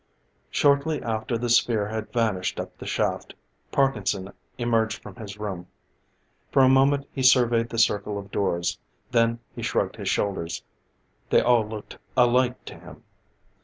Shortly after the sphere had vanished up the shaft, Parkinson emerged from his room. For a moment he surveyed the circle of doors: then he shrugged his shoulders. They all looked alike to him.